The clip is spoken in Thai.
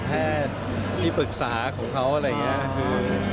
ที่ปรึกษาของเขาอะไรอย่างนี้คือ